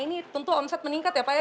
ini tentu omset meningkat ya pak ya